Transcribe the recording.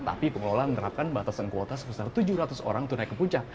tapi pengelola menerapkan batasan kuota sebesar tujuh ratus orang tunai ke puncak